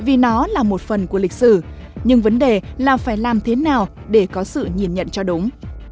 vì nó là một phần của lịch sử nhưng vấn đề là phải làm thế nào để có sự nhìn nhận cho đúng